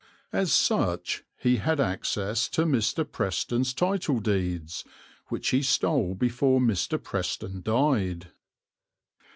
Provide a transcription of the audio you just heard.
As such he had access to Mr. Preston's title deeds, which he stole before Mr. Preston died.